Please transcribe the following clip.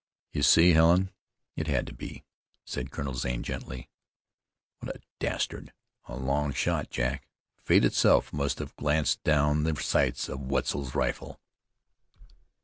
"You see, Helen, it had to be," said Colonel Zane gently. "What a dastard! A long shot, Jack! Fate itself must have glanced down the sights of Wetzel's rifle."